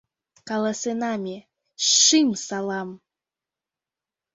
Каласена ме: «Шӱм салам!»